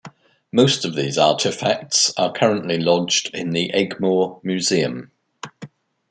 Most of these artifacts are currently lodged in the Egmore museum.